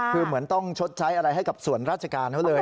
คือเหมือนต้องชดใช้อะไรให้กับส่วนราชการเขาเลย